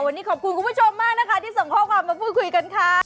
วันนี้ขอบคุณคุณผู้ชมมากนะคะที่ส่งข้อความมาพูดคุยกันค่ะ